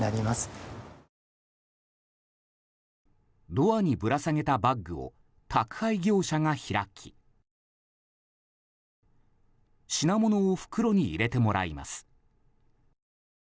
ドアにぶら下げたバッグを宅配業者が開き品物を袋に入れてもらいます。